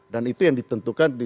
dan itu yang ditentukan